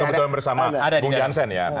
kebetulan bersama bang jansentu ya